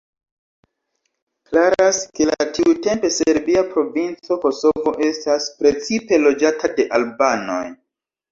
Klaras ke la tiutempe serbia provinco Kosovo estas precipe loĝata de albanoj.